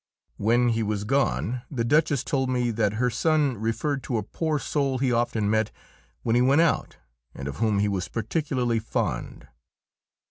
When he was gone the Duchess told me that her son referred to a poor soul he often met when he went out and of whom he was particularly fond.